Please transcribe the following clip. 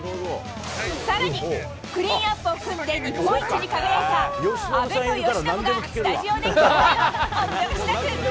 さらに、クリーンアップを組んで、日本一に輝いた阿部と由伸がスタジオで共演！